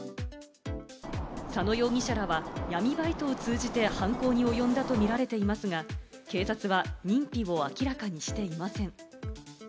佐野容疑者らは闇バイトを通じて犯行に及んだとみられていますが、警察は認否を明らかにしていません。